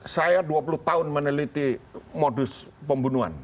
saya dua puluh tahun meneliti modus pembunuhan